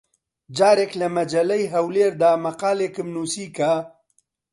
جارێک لە مەجەللەی هەولێر دا مەقالێکم نووسی کە: